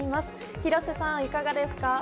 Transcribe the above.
廣瀬さん、いかがですか？